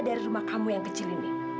dari rumah kamu yang kecil ini